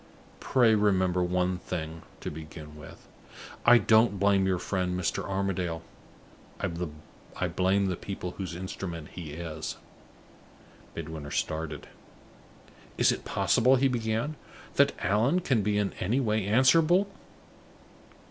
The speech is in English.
Pray remember one thing, to begin with. I don't blame your friend, Mr. Armadale. I blame the people whose instrument he is." Midwinter started. "Is it possible," he began, "that Allan can be in any way answerable